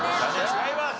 違います。